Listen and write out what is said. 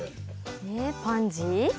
えパンジー？